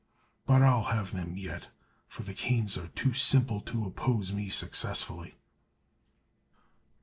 But I'll have them yet, for the Kanes are too simple to oppose me successfully."